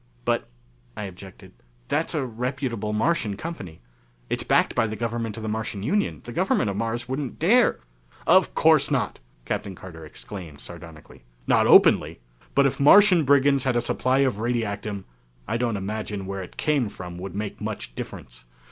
"But," I objected, "That is a reputable Martian company. It's backed by the government of the Martian Union. The government of Mars would not dare " "Of course not!" Captain Carter exclaimed sardonically. "Not openly! But if Martian Brigands had a supply of radiactum I don't imagine where it came from would make much difference.